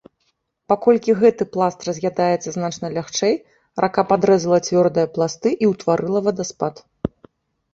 Паколькі гэты пласт раз'ядаецца значна лягчэй, рака падрэзала цвёрдыя пласты і ўтварыла вадаспад.